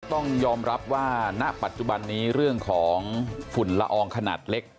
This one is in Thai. ต้องยอมรับว่าณปัจจุบันนี้เรื่องของฝุ่นละอองขนาดเล็ก